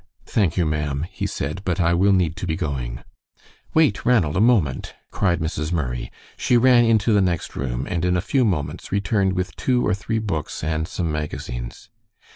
"Thank you, ma'am," he said, "but I will need to be going." "Wait, Ranald, a moment," cried Mrs. Murray. She ran into the next room, and in a few moments returned with two or three books and some magazines.